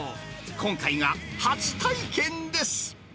今回が初体験です。